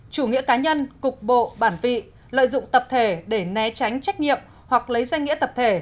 một chủ nghĩa cá nhân cục bộ bản vị lợi dụng tập thể để né tránh trách nhiệm hoặc lấy danh nghĩa tập thể